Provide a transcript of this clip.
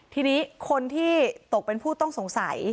ทีนี้คนที่ตกเป็นผู้ต้องสงสัย